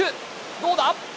どうだ？